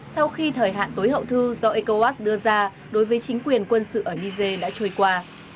sau khi thời hạn tối hậu thư do ecowas đưa ra đối với chính quyền quân sự ở niger đã trôi qua